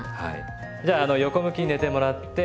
じゃあ横向きに寝てもらって。